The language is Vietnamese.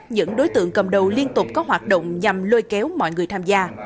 những đối tượng cầm đầu liên tục có hoạt động nhằm lôi kéo mọi người tham gia